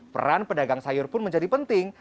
peran pedagang sayur pun menjadi penting